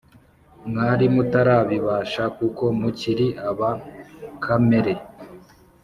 mwari mutarabibasha, kuko mukiri aba kamere.